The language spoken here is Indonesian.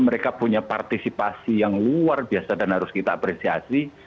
mereka punya partisipasi yang luar biasa dan harus kita apresiasi